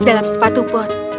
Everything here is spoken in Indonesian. dalam sepatu bot